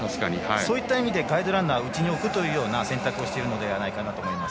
そういった意味でガイドランナーを内に置くという選択をしているのではないかなと思います。